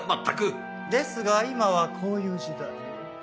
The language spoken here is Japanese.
ですが今はこういう時代。